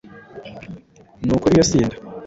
Nukuri iyo si nda